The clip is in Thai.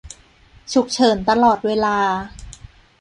ฉุกเฉินตลอดเวลา